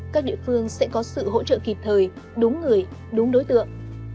các địa phương sẽ có sự hỗ trợ kịp thời đúng người đúng đối tượng